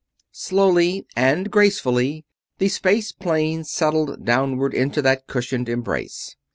Slowly and gracefully the space plane settled downward into that cushioned embrace.